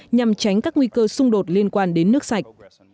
nhằm tránh các nguy cơ xung đột liên quan đến nước sạch